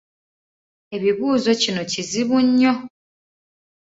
Ebibuuzo kino kizibu nnyo.